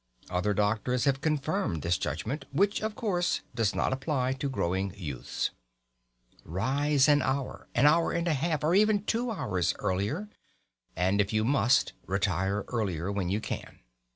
Other doctors have confirmed this judgment, which, of course, does not apply to growing youths. Rise an hour, an hour and a half, or even two hours earlier; and if you must retire earlier when you can.